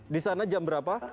di sana jam berapa